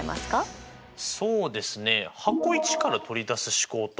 そうですね。